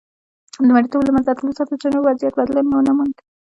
د مریتوب له منځه تلو سره د جنوب وضعیت بدلون ونه موند.